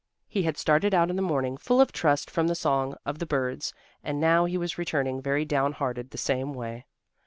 He had started out in the morning full of trust from the song of the birds, and now he was returning very down hearted the same way.